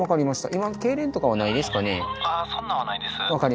今けいれんとかはないですかね？